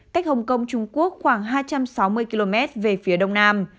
cách hồng kông trung quốc khoảng hai trăm sáu mươi km về phía đông nam